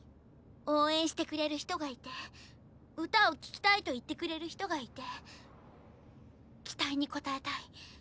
応援してくれる人がいて歌を聴きたいと言ってくれる人がいて期待に応えたい。